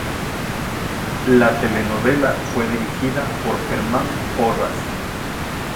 La telenovela fue dirigida por Germán Porras.